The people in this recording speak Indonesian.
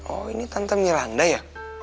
oh ini tante miranda ya